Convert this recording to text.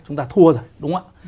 chúng ta thua rồi đúng ạ